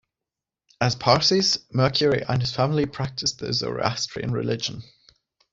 As Parsis, Mercury and his family practised the Zoroastrian religion.